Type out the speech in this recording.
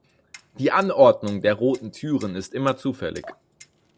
Die Anordnung der roten Türen ist immer zufällig.